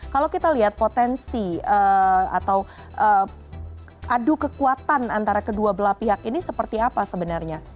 kalau kita lihat potensi atau adu kekuatan antara kedua belah pihak ini seperti apa sebenarnya